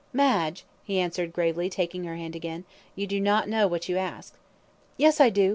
"Madge!" he answered, gravely, taking her hand again, "you do not know what you ask." "Yes, I do!"